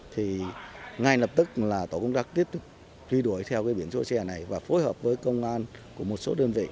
thì ngay lập tức là tổ công tác tiếp truy đuổi theo cái biển số xe này và phối hợp với công an của một số đơn vị